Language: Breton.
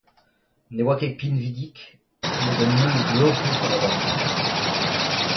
Ne oa ket pinvidik, met un neuz loc'hus a oa gantañ.